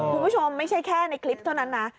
คุณผู้ชมไม่ใช่แค่ในคลิปเท่านั้นนะ